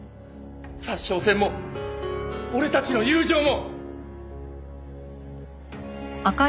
札沼線も俺たちの友情も！